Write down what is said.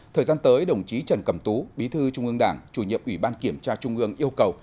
thời gian tới đồng chí trần cẩm tú bí thư trung ương đảng chủ nhiệm ủy ban kiểm tra trung ương yêu cầu